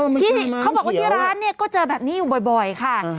อ๋อมันคือมันเกี่ยวที่ร้านก็เจอแบบนี้อยู่บ่อยค่ะ